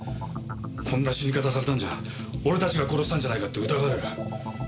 こんな死に方されたんじゃ俺たちが殺したんじゃないかって疑われる。